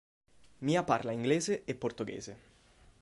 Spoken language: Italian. Mia parla inglese e portoghese.